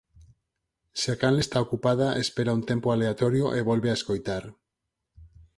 Se a canle está ocupada espera un tempo aleatorio e volve a escoitar.